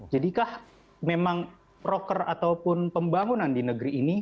jadikah memang rocker ataupun pembangunan di negeri ini